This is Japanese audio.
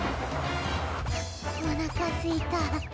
おなかすいた。